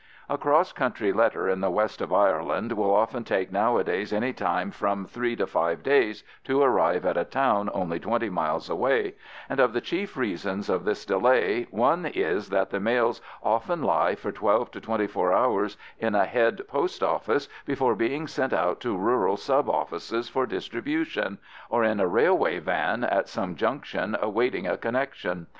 A cross country letter in the west of Ireland will often take nowadays any time from three to five days to arrive at a town only twenty miles away, and of the chief reasons of this delay one is that the mails often lie for twelve to twenty four hours in a head post office before being sent out to rural sub offices for distribution, or in a railway van at some junction awaiting a connection.